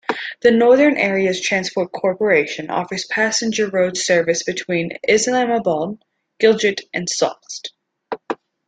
The Northern Areas Transport Corporation offers passenger road service between Islamabad, Gilgit and Sost.